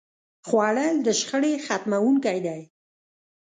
خوړل د شخړې ختموونکی دی